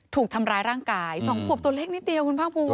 ถูกทำร้ายร่างกาย๒ขวบตัวเล็กนิดเดียวคุณภาคภูมิ